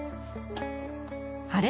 あれ？